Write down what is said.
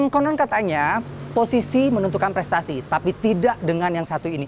konon katanya posisi menentukan prestasi tapi tidak dengan yang satu ini